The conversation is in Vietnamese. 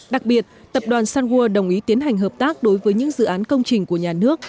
đặc biệt tập đoàn sunwood đồng ý tiến hành hợp tác đối với những dự án công trình của nhà nước